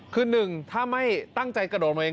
คือหนึ่งถ้าไม่ตั้งใจกระโดดมาเอง